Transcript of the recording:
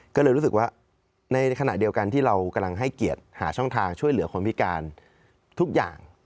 ก็เลยรู้สึกว่าในขณะเดียวกันที่เรากำลังให้เกียรติหาช่องทางช่วยเหลือคนพิการทุกอย่าง